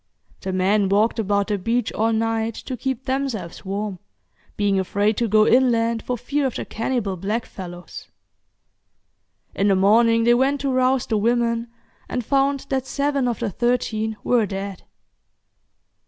The men walked about the beach all night to keep themselves warm, being afraid to go inland for fear of the cannibal blackfellows. In the morning they went to rouse the women, and found that seven of the thirteen were dead.